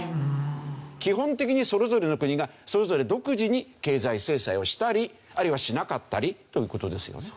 基本的にそれぞれの国がそれぞれ独自に経済制裁をしたりあるいはしなかったりという事ですよね。